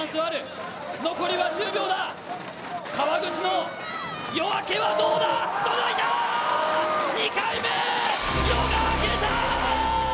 残りは１０秒だ、川口の夜明けはどうだ、２回目、夜が明けた。